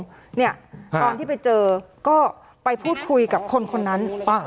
ตอนที่ไปเจอก็ไปพูดคุยกับคนคนนั้น